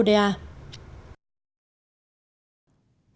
xin chào và hẹn gặp lại